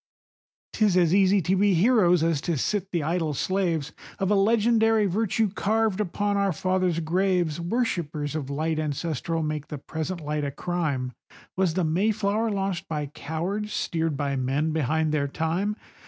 'Tis as easy to be heroes as to sit the idle slaves Of a legendary virtue carved upon our father's graves, Worshippers of light ancestral make the present light a crime;— Was the Mayflower launched by cowards, steered by men behind their time?